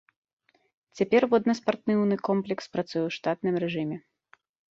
Цяпер воднаспартыўны комплекс працуе ў штатным рэжыме.